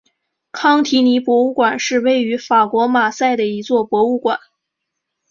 康提尼博物馆是位于法国马赛的一座博物馆。